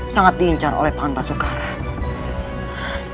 sangat diincar oleh pantas soekarno